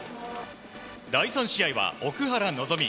第３試合は奥原希望。